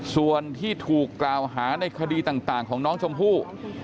ส่วนที่ถูกกล่าวหาในคดีต่างของน้องชมพู่